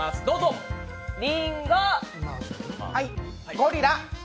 ゴリラ。